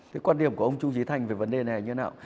thế quan điểm của ông trung trí thành về vấn đề này là như thế nào